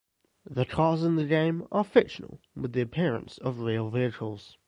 The cars in the game are fictional with the appearance of real vehicles.